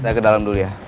saya ke dalam dulu ya